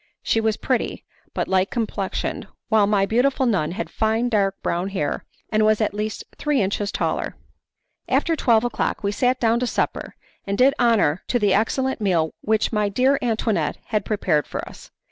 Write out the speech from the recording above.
she was pretty, but light complexioned, while my beautiful nun had fine dark brown hair and was at least three inches taller. After twelve o'clock we sat down to supper, and did honour to the excellent meal which my dear Antoinette had prepared for us.